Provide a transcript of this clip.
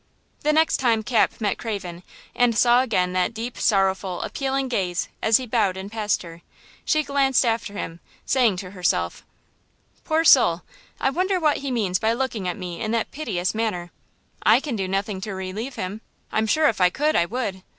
The next time Cap met Craven and saw again that deep, sorrowful, appealing gaze as he bowed and passed her, she glanced after him, saying to herself: "Poor soul, I wonder what he means by looking at me in that piteous manner? I can do nothing to relieve him. I'm sure if I could I would.